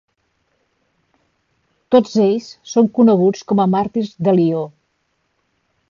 Tots ells són coneguts com a Màrtirs de Lió.